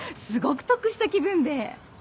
すごく得した気分で。